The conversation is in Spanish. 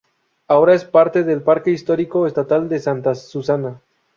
Ahora es parte del Parque Histórico Estatal de Santa Susana.